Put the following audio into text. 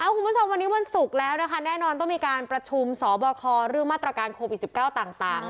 คุณผู้ชมวันนี้วันศุกร์แล้วนะคะแน่นอนต้องมีการประชุมสบคเรื่องมาตรการโควิด๑๙ต่าง